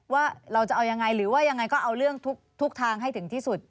ว่าเราจะเอายังไงหรือว่ายังไงก็เอาเรื่องทุกทางให้ถึงที่สุด